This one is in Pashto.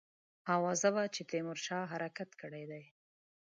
آوازه وه چې تیمورشاه حرکت کړی دی.